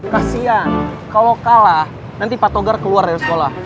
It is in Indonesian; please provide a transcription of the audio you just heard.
kasian kalau kalah nanti pak togar keluar dari sekolah